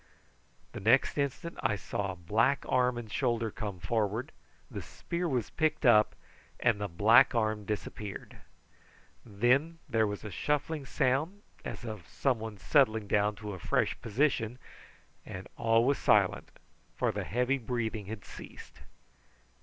The next instant I saw a black arm and shoulder come forward, the spear was picked up, and the black arm disappeared. Then there was a shuffling sound, as of some one settling down in a fresh position, and all was silent, for the heavy breathing had ceased.